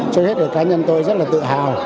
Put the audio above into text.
cho hết cả cá nhân tôi rất là tự hào